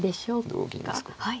同銀ですかね。